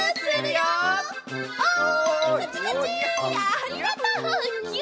ありがとうぎゅ。